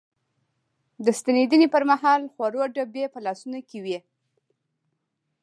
د ستنېدنې پر مهال خوړو ډبي په لاسونو کې وې.